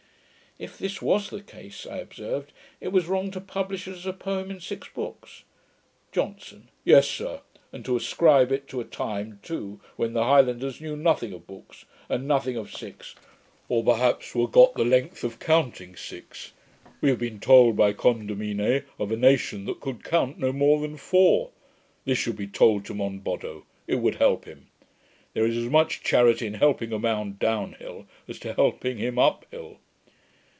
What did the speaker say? If this was the case, I observed, it was wrong to publish it as a poem in six books. JOHNSON. 'Yes, sir; and to ascribe it to a time too when the Highlanders knew nothing of BOOKS, and nothing of SIX; or perhaps were got the length of counting six. We have been told, by Condamine, of a nation that could count no more than four. This should be told to Monboddo; it would help him. There is as much charity in helping a man down hill, as in helping him up hill.'